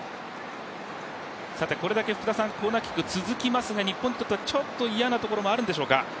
これだけコーナーキックが続きますが日本にとってはちょっといやなところがあるんでしょうか。